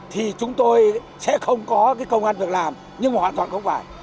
thì chúng tôi sẽ không có cái công an việc làm nhưng mà hoàn toàn không phải